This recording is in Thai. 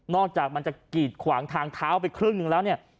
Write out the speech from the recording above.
จากมันจะกีดขวางทางเท้าไปครึ่งหนึ่งแล้วเนี่ย